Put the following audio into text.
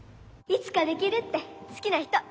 いつかできるって好きな人。